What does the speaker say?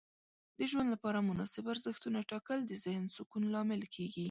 د ژوند لپاره مناسب ارزښتونه ټاکل د ذهن سکون لامل کیږي.